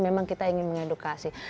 memang kita ingin mengedukasi